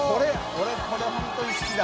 俺これ本当に好きだ。